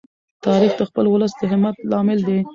تاریخ د خپل ولس د همت لامل دی.